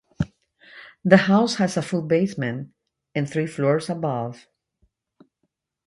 The house has a full basement and three floors above.